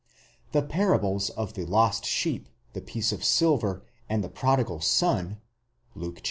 The parables of the lost sheep, the piece of silver, and the prodigal son (Luke xv.